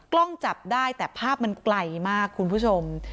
กล้องจับได้แต่ภาพมันไกลมากคุณผู้ชม